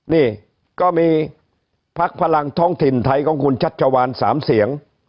นี่ก็มีพักพลังท้องถิ่นไทยของคุณชัชวาน๓เสียง